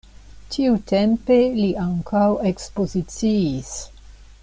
Tiutempe li ankaŭ ekspoziciis.